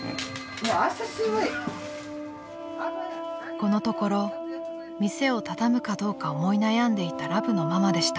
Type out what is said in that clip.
［このところ店を畳むかどうか思い悩んでいたラブのママでした］